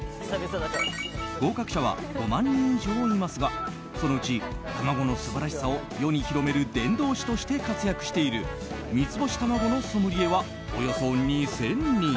合格者は５万人以上いますがそのうち卵の素晴らしさを世に広める伝道師として活躍している三ツ星タマゴのソムリエはおよそ２０００人。